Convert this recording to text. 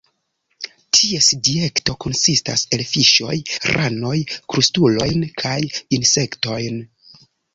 Ties dieto konsistas el fiŝoj, ranoj, krustulojn kaj insektojn.